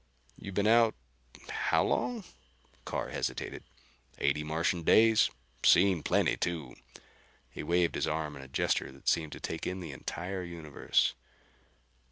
"You've been out how long?" Carr hesitated. "Eighty Martian days. Seen plenty too." He waved his arm in a gesture that seemed to take in the entire universe.